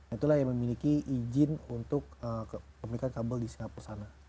itulah yang memiliki izin untuk pemilikan kabel di singapura sana